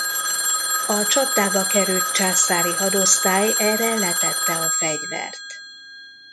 A csapdába került császári hadosztály erre letette a fegyvert.